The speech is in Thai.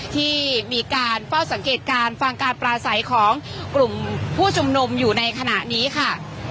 ที่มีการเฝ้าสังเกตการณ์ฟังการปลาใสของกลุ่มผู้ชุมนุมอยู่ในขณะนี้ค่ะ